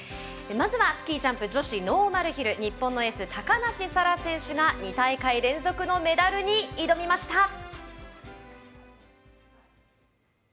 まずはスキージャンプノーマルヒル日本のエース高梨沙羅選手が２大会連続のメダルに挑みました。